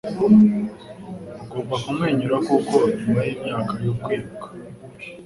ugomba kumwenyura kuko nyuma yimyaka yo kwiruka